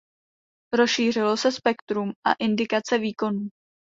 Rozšířilo se spektrum a indikace výkonů.